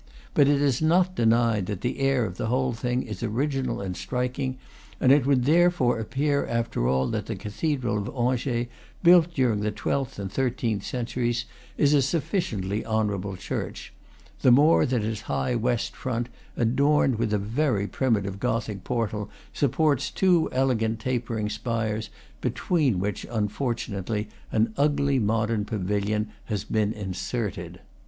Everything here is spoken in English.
But it is not denied that the air of the whole thing is original and striking; and it would therefore appear, after all, that the cathedral of Angers, built during the twelfth and thirteenth centuries, is a sufficiently honorable church; the more that its high west front, adorned with a very primitive Gothic portal, supports two elegant tapering spires, between which, unfortunately, an ugly modern pavilion has been inserted.